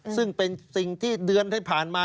ซึ่งเป็นสิ่งที่เดือนที่ผ่านมา